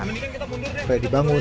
mendingan kita mundur deh kita mundur